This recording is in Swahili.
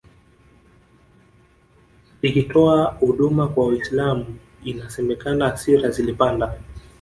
ikitoa huduma kwa Uislam inasemekana hasira zilipanda